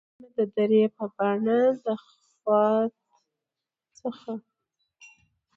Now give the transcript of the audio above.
دا سیمه د درې په بڼه د خوات څخه